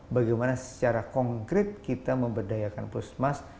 bagaimana secara konkret kita memberdayakan puskesmas